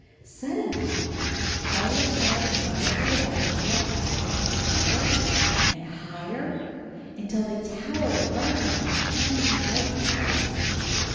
Suddenly Charlie saw the sides of the bath tub get higher and higher, until they tow ered above him like shining white cliffs.